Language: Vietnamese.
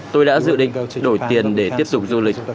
tôi đã dự định đổi tiền để tiếp tục du lịch